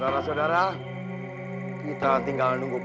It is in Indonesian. tuhan kita akan menunggu